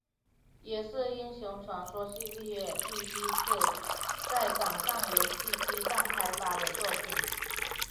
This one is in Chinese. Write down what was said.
也是英雄传说系列第一次在掌上游戏机上开发的作品。